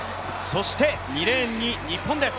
そして２レーンに日本です。